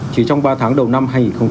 chỉ trong ba tháng đầu năm hai nghìn hai mươi